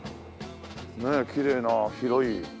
ねえきれいな広い。